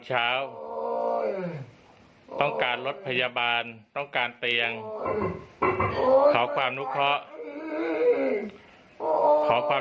ต้องการรถพยาบาลต้องการเตียงขอความนุเคราะห์ขอความ